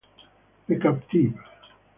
The Captive